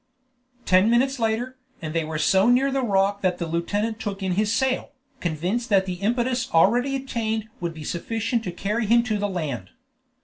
Ten minutes later, and they were so near the rock that the lieutenant took in his sail, convinced that the impetus already attained would be sufficient to carry him to the land.